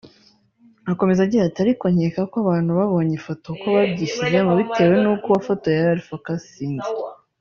Akomeza agira ati “ Ariko nkeka ko abantu babonye ifoto ko babyishyizemo bitewe ni uko uwafotoye yari yafokasinze